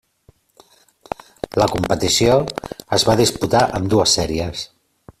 La competició es va disputar en dues sèries.